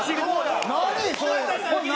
何？